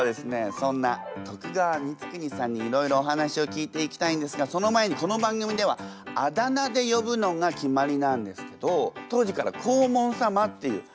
そんな徳川光圀さんにいろいろお話を聞いていきたいんですがその前にこの番組ではあだ名でよぶのが決まりなんですけどハハッ